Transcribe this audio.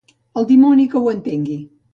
El dimoni que ho entengui.